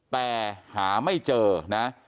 แต่หาไม่เจอนะ